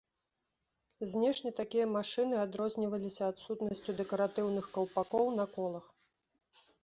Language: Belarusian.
Знешне такія машыны адрозніваліся адсутнасцю дэкаратыўных каўпакоў на колах.